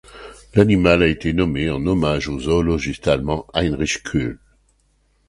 L'animal a été nommé en hommage au zoologiste allemand Heinrich Kuhl.